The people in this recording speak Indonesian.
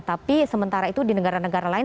tapi sementara itu di negara negara lain